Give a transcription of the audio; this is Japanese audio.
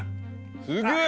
すげえ！